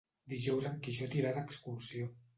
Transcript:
Dijous en Quixot irà d'excursió.